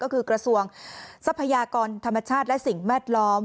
ก็คือกระทรวงทรัพยากรธรรมชาติและสิ่งแวดล้อม